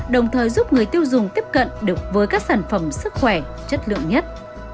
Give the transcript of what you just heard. đồng thời giúp người tiêu dùng tiếp cận được với các sản phẩm sức khỏe chất lượng nhất